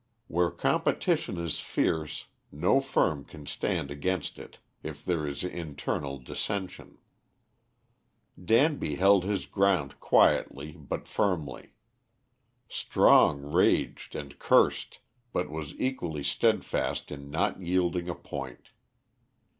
Where competition is fierce no firm can stand against it if there is internal dissension. Danby held his ground quietly but firmly, Strong raged and cursed, but was equally steadfast in not yielding a point.